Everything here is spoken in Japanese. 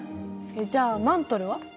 じゃあマントルは？